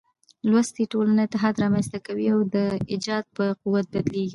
لوستې ټولنه اتحاد رامنځ ته کوي او د ايجاد په قوت بدلېږي.